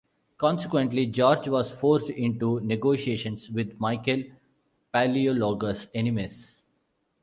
Consequently, George was forced into negotiations with Michael Palaiologos' enemies.